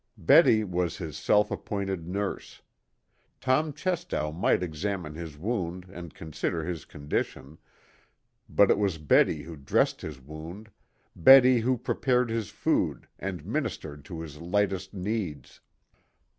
Betty was his self appointed nurse. Tom Chepstow might examine his wound and consider his condition, but it was Betty who dressed his wound, Betty who prepared his food and ministered to his lightest needs.